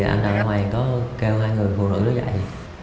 anh đào minh hoàng có kêu hai người phụ nữ lấy dạy